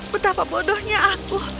betapa bodohnya aku